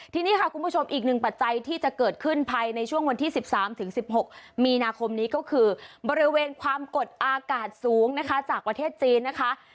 ทีนี้ค่ะคุณผู้ชมอีกหนึ่งปัจจัยที่จะเกิดขึ้นภายในช่วงวันที่๑๓๑๖มีนาคมนี้ก็คือบริเวณความกดอากาศสูงนะคะจากประเทศจีนนะคะ